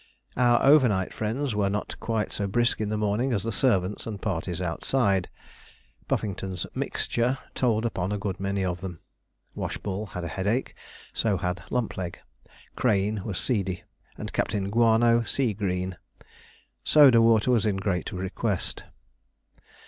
Our over night friends were not quite so brisk in the morning as the servants and parties outside. Puffington's 'mixture' told upon a good many of them. Washball had a headache, so had Lumpleg; Crane was seedy; and Captain Guano, sea green. Soda water was in great request.